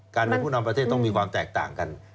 การเป็นผู้นำประเทศต้องมีความแตกต่างกัน